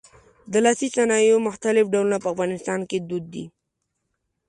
د لاسي صنایعو مختلف ډولونه په افغانستان کې دود دي.